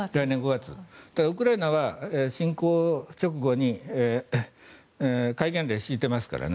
ウクライナは侵攻直後に戒厳令を敷いてますからね。